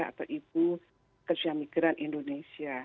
atau ibu kerja migran indonesia